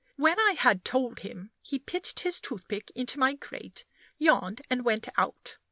When I had told him, he pitched his toothpick into my grate, yawned, and went out.